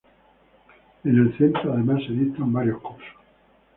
En el centro además se dictan varios cursos.